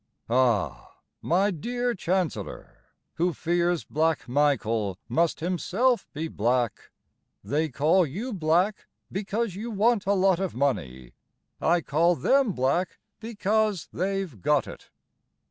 Ah, my dear Chancellor, Who fears Black Michael Must himself be black. They call you Black because you want a lot of money; I call them black because they've got it.